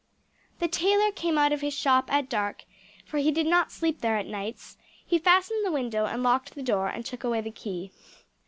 The tailor came out of his shop at dark, for he did not sleep there at nights; he fastened the window and locked the door, and took away the key.